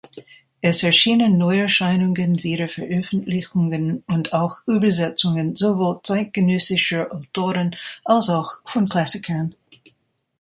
Es erschienen Neuerscheinungen, Wiederveröffentlichungen und auch Übersetzungen sowohl zeitgenössischer Autoren als auch von Klassikern.